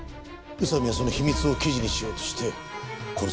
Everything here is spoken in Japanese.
宇佐美はその秘密を記事にしようとして殺された。